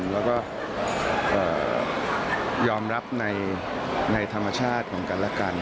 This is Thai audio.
แล้วก็ยอมรับในธรรมชาติของกันและกัน